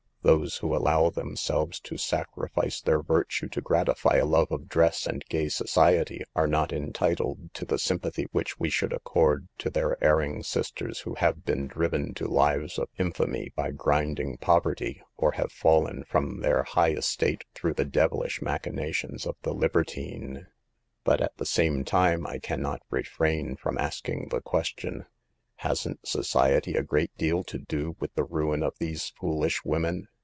" Those who allow themselves to sacrifice their virtue to gratify a love of dress and gay society, are not entitled to the sympathy which SOME TEMPTATIONS Oif CITY LIFE. 193 we should accord to their erring sisters, who have been driven to lives of infamy by grind ing poverty, or have fallen from their high estate through the devilish machinations of the libertine. But at the same time I can not refrain from asking the question :" Hasn't society a great deal to do with the ruin of these foolish women